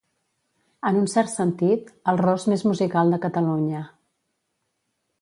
En un cert sentit, el Ros més musical de Catalunya.